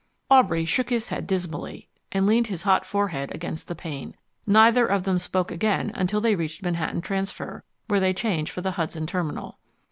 Aubrey shook his head dismally, and leaned his hot forehead against the pane. Neither of them spoke again until they reached Manhattan Transfer, where they changed for the Hudson Terminal.